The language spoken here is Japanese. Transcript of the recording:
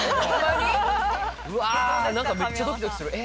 うわ何かめっちゃドキドキするえ